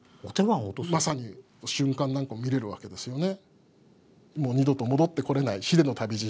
まさに瞬間なんかも見れるわけですよね。